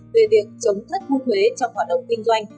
về việc chống thất thu thuế trong hoạt động kinh doanh